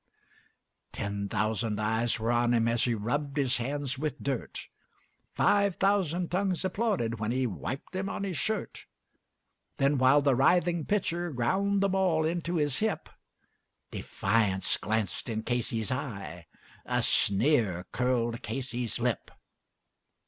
Ten thousand eyes were on him as he rubbed his hands with dirt, Five thousand tongues applauded as he wiped them on his shirt; And while the writhing pitcher ground the ball into his hip Defiance gleamed from Casey's eye a sneer curled Casey's lip.